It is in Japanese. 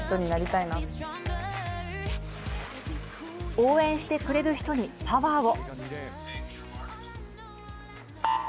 応援してくれる人にパワーを。